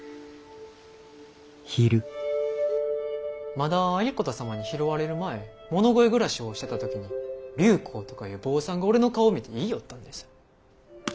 まだ有功様に拾われる前物乞い暮らしをしてた時に隆光とかいう坊さんが俺の顔を見て言いよったんです。